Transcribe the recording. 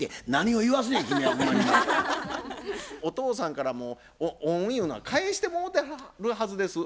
お父さんからもう恩ゆうのは返してもうてはるはずです。